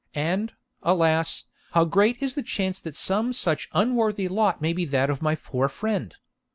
And, alas! how great is the chance that some such unworthy lot may be that of my poor friend!